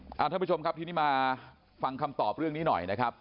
ท่านผู้ชมครับทีนี้มาฟังคำตอบเรื่องนี้หน่อยนะครับ